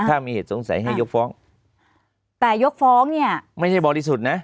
ถ้ามีเหตุสงสัยให้ยกฟ้องแต่ยกฟ้องเนี่ยไม่ใช่บริสุทธิ์นะ